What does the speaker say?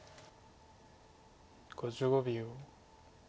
５５秒。